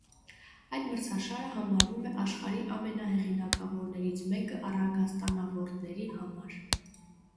Այդ մրցաշարը համարվում է աշխարհի ամենահեղինակավորներից մեկը առագաստանավորդների համար։